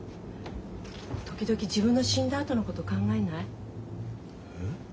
時々自分の死んだあとのこと考えない？え？